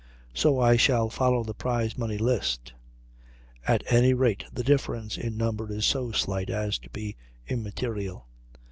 So I shall follow the prize money list; at any rate the difference in number is so slight as to be immaterial.